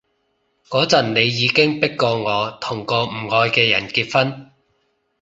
嗰陣你已經迫過我同個唔愛嘅人結婚